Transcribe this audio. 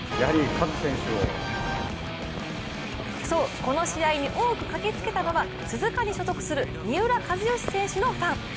そう、この試合に多く駆けつけたのは鈴鹿に所属する三浦知良選手のファン。